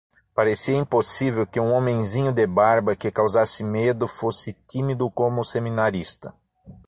Parecia impossível que um homenzinho de barba que causasse medo fosse tímido como seminarista.